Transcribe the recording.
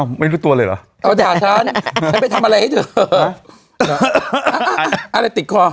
ไม่รู้ตัวเลยเหรอเอาด่าฉันฉันไปทำอะไรให้เธอเหรออะไรติดคอ